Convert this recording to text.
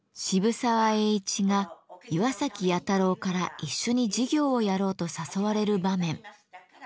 渋沢栄一が岩崎弥太郎から一緒に事業をやろうと誘われる場面。